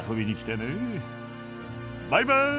バイバーイ。